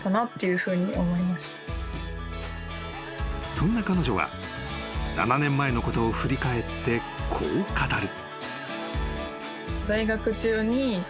［そんな彼女は７年前のことを振り返ってこう語る］